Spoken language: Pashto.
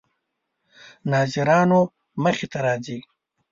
ناظرانو مخې ته راځي.